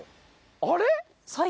あれ？